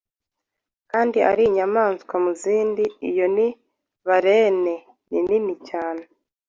kandi ari inyamabere mu zindi. Iyo ni “barene”, ni nini cyane.